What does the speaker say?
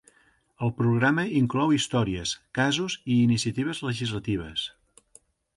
El programa inclou històries, casos i iniciatives legislatives.